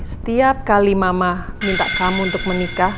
setiap kali mama minta kamu untuk menikah